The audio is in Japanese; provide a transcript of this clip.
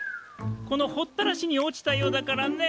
この掘多良市に落ちたようだからね。